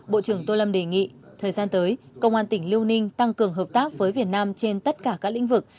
bộ trưởng tô lâm đề nghị thời gian tới công an tỉnh liêu ninh tăng cường hợp tác với việt nam trên tất cả các lĩnh vực